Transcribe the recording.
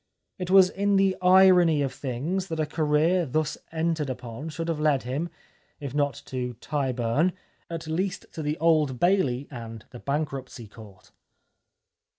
It was in the irony of things that a career thus entered upon should have led him, if not to Tyburn, at least to the Old Bailey and the Bankruptcy Court.